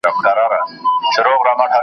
د درخانۍ د ځوانیمرګو حجابونو کیسه .